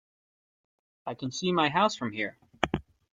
I can see my house from here!